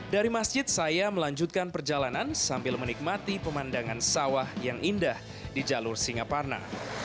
dari masjid saya melanjutkan perjalanan sambil menikmati pemandangan sawah yang indah di jalur singaparna